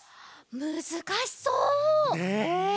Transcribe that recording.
むずかしそう！ねえ！